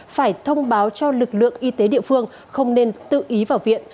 phải thông báo cho lực lượng y tế địa phương không nên tự ý vào viện